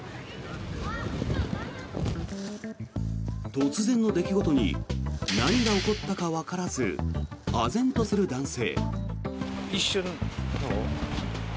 突然の出来事に何が起こったかわからずあぜんとする男性。